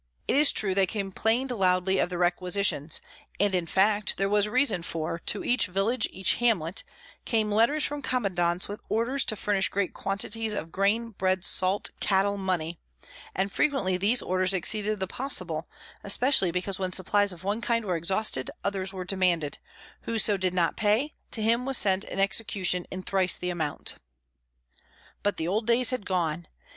It is true they complained loudly of the "requisitions;" and in fact there was reason, for to each village, each hamlet, came letters from commandants with orders to furnish great quantities of grain, bread, salt, cattle, money; and frequently these orders exceeded the possible, especially because when supplies of one kind were exhausted, others were demanded; whoso did not pay, to him was sent an execution in thrice the amount. But the old days had gone!